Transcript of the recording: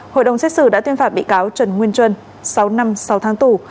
hội đồng xét xử đã tuyên phạm bị cáo trần nguyên chuân sáu năm sáu tháng tù